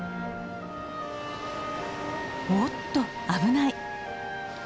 おおっと危ない。